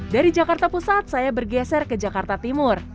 dari jakarta pusat saya bergeser ke jakarta timur